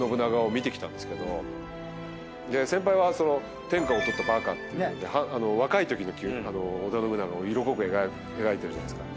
先輩は『天下を取ったバカ』っていうので若いときの織田信長を色濃く描いてるじゃないですか。